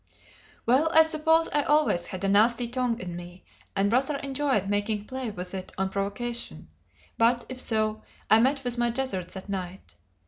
Well, I suppose I always had a nasty tongue in me, and rather enjoyed making play with it on provocation; but, if so, I met with my deserts that night.